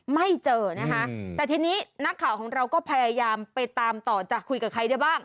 ไม่เจอนะคะแต่ทีนี้นักข่าวของเราก็พยายามไปตามต่อจะคุยกับใครได้บ้าง